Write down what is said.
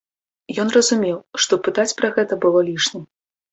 Ён разумеў, што пытаць пра гэта было лішнім.